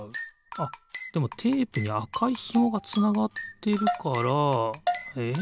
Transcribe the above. あっでもテープにあかいひもがつながってるからえっ？